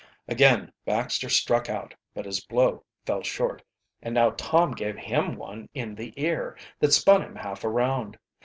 Again Baxter struck out, but his blow fell short, and now Tom gave him one in the ear that spun him half around.